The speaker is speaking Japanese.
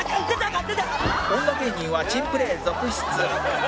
女芸人は珍プレー続出